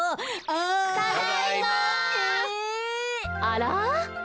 あら？